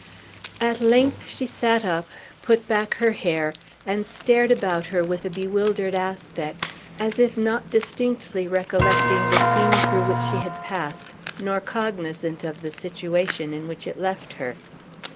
At length she sat up, put back her hair, and stared about her with a bewildered aspect, as if not distinctly recollecting the scene through which she had passed, nor cognizant of the situation in which it left her.